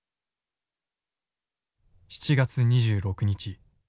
「７月２６日。